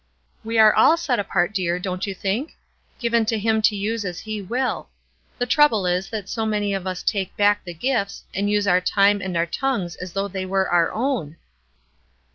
"We are all set apart, dear, don't you think? Given to Him to use as He will. The trouble is that so many of us take back the gifts, and use our time and our tongues as though they were our own."